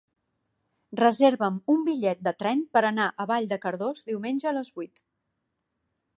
Reserva'm un bitllet de tren per anar a Vall de Cardós diumenge a les vuit.